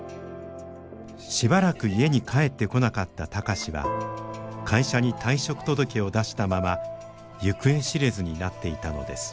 しばらく家に帰ってこなかった貴司は会社に退職届を出したまま行方知れずになっていたのです。